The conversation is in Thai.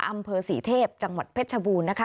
อำเภอศรีเทพจังหวัดเพชรชบูรณ์นะคะ